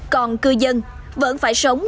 còn cư dân vẫn phải sống